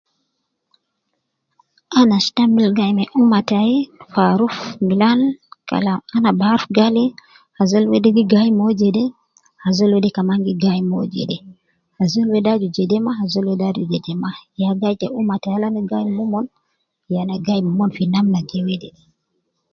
Ana stamil gai me umma tai fi aruf milan kalam ana bi aruf gali azol wede gi gai mo jede, azol wede kaman gi gai mo jede, azol wede aju jede ma, azol wede aju jede ma, ya gai te umma tai al ana gai me umon, ya ana gai momon fi namna je wede